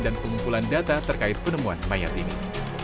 dan pengumpulan data terkait penemuan mayat ini